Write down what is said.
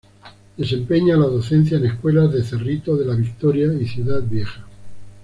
Desempeña la docencia en escuelas de Cerrito de la Victoria y Ciudad Vieja.